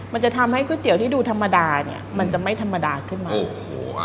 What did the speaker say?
มันจะทำให้ก๋วยเตี๋ยวที่ดูธรรมดาเนี่ยมันจะไม่ธรรมดาขึ้นมา